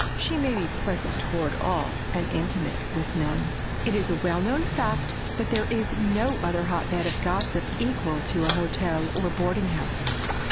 She may be pleasant toward all, and intimate with none. It is a well known fact that there is no other hotbed of gossip equal to a hotel or a boarding house.